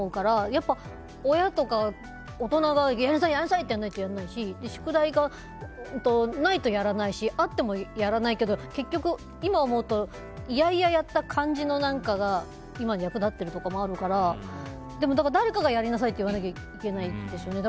やっぱ、親とか大人がやりなさいってやらないとやらないし、宿題がないとやらないしあってもやらないけど結局、今思うと嫌々やった感じの何かが今に役立ってるとかもあるから誰かがやりなさいって言わなきゃいけないですよね。